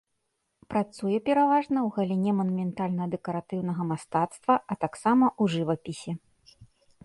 Працуе пераважна ў галіне манументальна-дэкаратыўнага мастацтва, а таксама ў жывапісе.